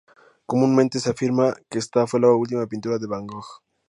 Comúnmente se afirma que esta fue la última pintura de Van Gogh.